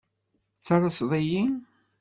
Tettalaseḍ-iyi?